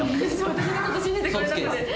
私のこと信じてくれなくて。